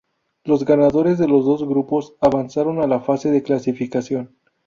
Los ganadores de los dos grupos avanzaron a la fase de clasificación.